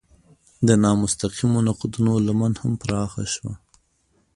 د نامستقیمو نقدونو لمن هم پراخه شوه.